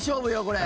これ。